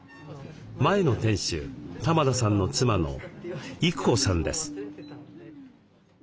前の店主玉田さんの妻の郁子さんです。